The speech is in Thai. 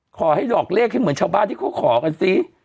ขอให้ดอกเลขให้เหมือนชาวบ้านที่เขาขอกันซิ